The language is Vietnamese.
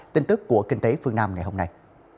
tin tức của kinh tế phương nam ngày hôm nay